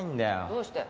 どうして？